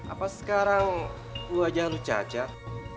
apa sekarang wajah harus cacat